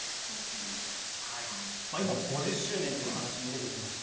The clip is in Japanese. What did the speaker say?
今、５０周年という話も出てきました。